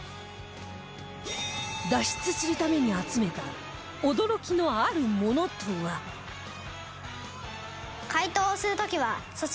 脱出するために集めた驚きのあるものとは？と解答してください。